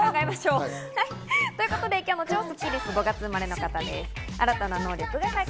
ということで今日の超スッキりすは５月生まれの方です。